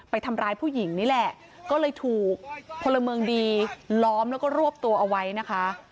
ไปทำร้ายผู้หญิงนี่แหละก็เลยถูกพลเมืองดีล้อมแล้วก็รวบตัวเอาไว้นะคะ